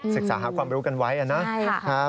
ศึกษาหาความรู้กันไว้นะครับ